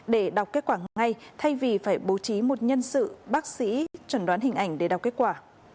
để đọc kết quả ngay thay vì phải bố trí một nhân sự bác sĩ chẩn đoán hình ảnh để đọc kết quả